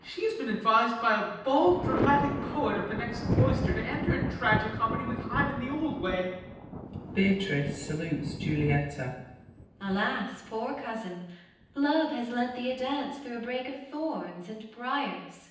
She has been advis'd by a bald dramatic poet Of the next cloister, to end her tragi comedy With Hymen the old way. [Beatrice salutes Juliet. Beat. Alas, poor cousin ! Love has led thee a dance Through a brake of thorns and briars.